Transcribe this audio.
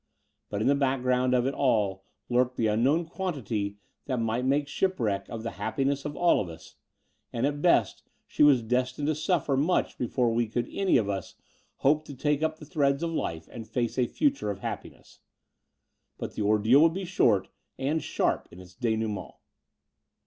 But in the background of it all lurked the unknown quantity that might make shipwreck of the happiness of all of us : and, at best, she was destined to suflfer much before we could any of us hope to take up the threads of life and face a future of happiness. But the ordeal would be short and sharp in its dSnouement.